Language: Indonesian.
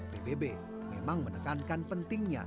pbb memang menekankan pentingnya